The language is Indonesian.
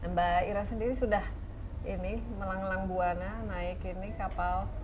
mbak ira sendiri sudah ini melanglang buana naik ini kapal